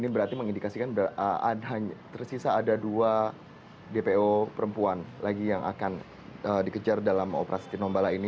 yang dikasihkan tersisa ada dua dpo perempuan lagi yang akan dikejar dalam operasi tinobala ini